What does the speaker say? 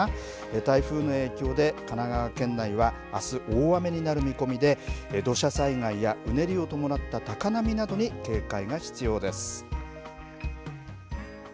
台風の影響で神奈川県内はあす、大雨になる見込みで土砂災害や、うねりを伴った高波などに警戒が必要です。